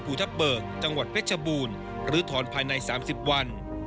ภูทับเบิกจังหวัดเพชรบูรณ์หรือถอนภายใน๓๐วัน